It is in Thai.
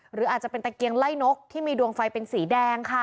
หรืออาจจะเป็นตะเกียงไล่นกที่มีดวงไฟเป็นสีแดงค่ะ